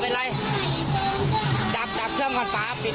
ป่าหยุดก่อนหยุดก่อนหยุดก่อน